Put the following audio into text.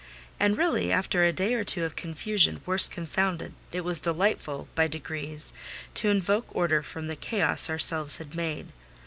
And really, after a day or two of confusion worse confounded, it was delightful by degrees to invoke order from the chaos ourselves had made.